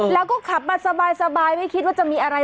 แล้วก็ขับมาสบายไม่คิดว่าจะมีอะไร